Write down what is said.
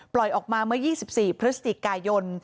ปล่อยออกมาเมื่อ๒๔พฤศจิกย์กายน